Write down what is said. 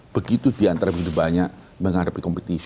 begitu diantara begitu banyak menghadapi kompetisi